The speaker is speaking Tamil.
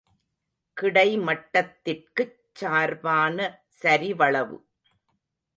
கிடைமட்டத்திற்குச் சார்பான சரிவளவு.